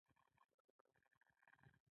کلي د افغانانو د اړتیاوو د پوره کولو وسیله ده.